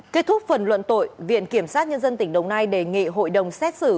kết thúc phần luận tội viện kiểm sát nhân dân tỉnh đồng nai đề nghị hội đồng xét xử